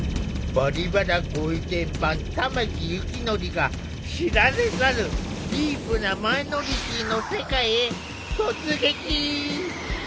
「バリバラ」ご意見番玉木幸則が知られざるディープなマイノリティーの世界へ突撃！